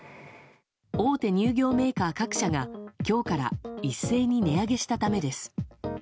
大手乳業メーカー各社が今日から一斉に値上げしたためです。